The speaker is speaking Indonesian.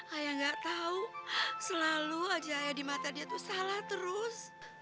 ayah enggak tahu selalu aja ayah di mata dia tuh salah terus